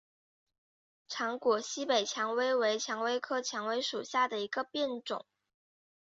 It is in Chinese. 长果西北蔷薇为蔷薇科蔷薇属下的一个变种。